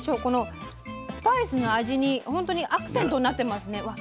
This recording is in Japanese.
このスパイスの味に本当にアクセントになってますね。